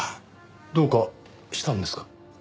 どうかしたんですか？